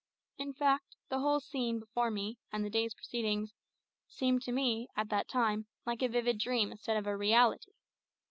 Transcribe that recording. In fact, the whole scene before me, and the day's proceedings, seemed to me, at that time, like a vivid dream instead of a reality.